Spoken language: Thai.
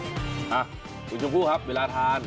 เอาผู้ชมคู่ครับเวลาทาน